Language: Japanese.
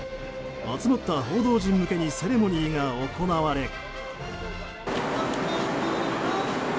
集まった報道陣向けにセレモニーが行われ。